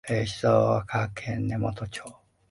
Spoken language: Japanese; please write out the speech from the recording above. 静岡県川根本町